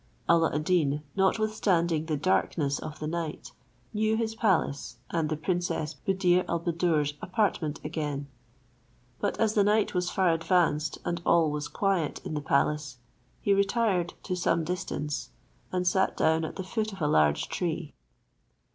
Alla ad Deen, notwithstanding the darkness of the night, knew his palace and the princess Buddir al Buddoor's apartment again; but as the night was far advanced, and all was quiet in the palace, he retired to some distance, and sat down at the foot of a large tree.